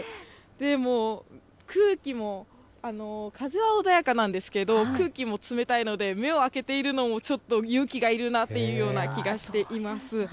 もう、空気も、風は穏やかなんですけど、空気も冷たいので、目を開けているのも、ちょっと勇気がいるなっていうような気がしています。